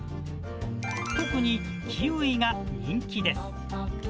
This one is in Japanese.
特にキウイが人気です。